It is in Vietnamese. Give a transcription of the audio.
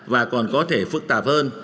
và còn có thể phức tạp hơn